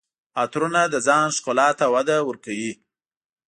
عطرونه د ځان ښکلا ته وده ورکوي.